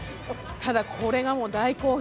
ただこれがもう大好評。